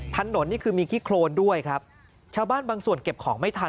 นี่คือมีขี้โครนด้วยครับชาวบ้านบางส่วนเก็บของไม่ทัน